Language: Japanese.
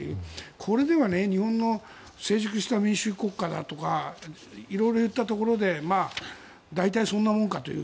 これでは日本の成熟した民主主義国家だとか色々言ったところで大体そんなものかという。